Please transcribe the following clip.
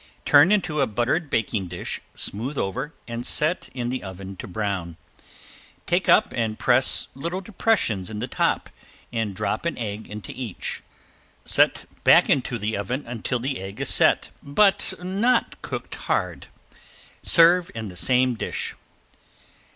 Turn into a buttered baking dish, smooth over, and set in the oven to brown. Take up and press little depressions in the top, and drop an egg into each. Set back into the oven until the egg is set, but not cooked hard. Serve in the same dish.